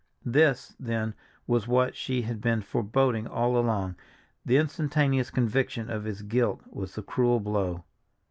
This, then, was what she had been foreboding all along; the instantaneous conviction of his guilt was the cruel blow.